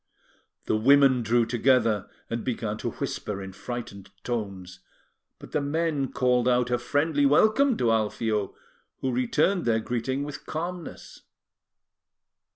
The women drew together, and began to whisper in frightened tones; but the men called out a friendly welcome to Alfio, who returned their greeting with calmness.